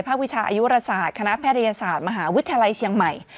วิชาอายุราศาสตร์คณะแพทยศาสตร์มหาวิทยาลัยเชียงใหม่